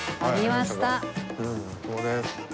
ここです。